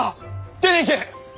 出ていけ！